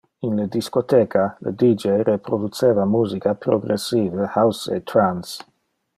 In le discotheca, le D J reproduceva musica progressive house e trance.